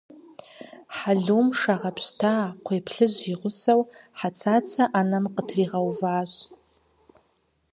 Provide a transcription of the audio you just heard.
Хьэлум шэ гъэпщта къхуей плъыжь и гъусэу Хьэцацэ ӏэнэм къытригъэуващ.